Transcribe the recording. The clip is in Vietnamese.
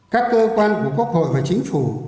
các cơ quan của quốc hội và chính phủ